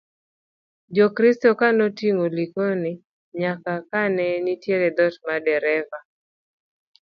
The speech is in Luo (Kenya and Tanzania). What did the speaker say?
jokristo ka notingo Likono nyaka ka ma ne nitie dhot mar dereba